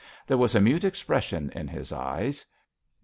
There was a mute expression in his eyes.